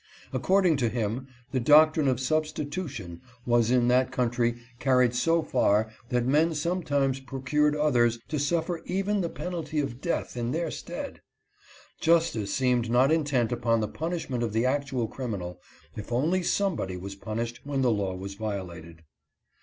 According to him, the doctrine of substitution was in that country carried so far that men sometimes procured others to suffer even the penalty of death in their stead. Justice seemed not intent upon the punishment of the actual criminal, if only somebody was punished when the law was violated.